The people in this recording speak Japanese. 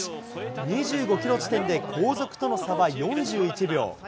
２５キロ地点で後続との差は４１秒。